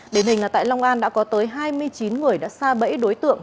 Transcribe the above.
đến hình là tại long an đã có tới hai mươi chín người đã xa bẫy đối tượng